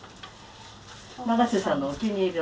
長瀬さんのお気に入りの。